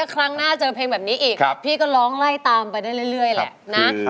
ครั้งหน้าเจอเพลงแบบนี้อีกพี่ก็ร้องไล่ตามไปได้เรื่อยแหละนะ